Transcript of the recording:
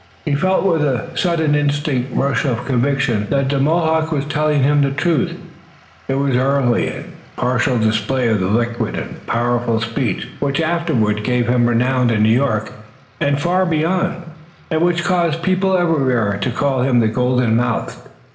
He felt with a sudden instinctive rush of conviction that the Mohawk was telling him the truth. It was an early and partial display of the liquid and powerful speech, which afterward gave him renown in New York and far beyond, and which caused people everywhere to call him the "Golden Mouthed."